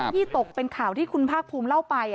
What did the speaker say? ที่ตกเป็นข่าวที่คุณภาคภูมิเล่าไป